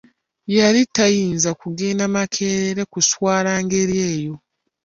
Yali tayinza kugenda makerere kuswala ngeri eyo.